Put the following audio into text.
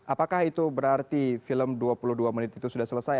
apakah itu berarti film dua puluh dua menit itu sudah selesai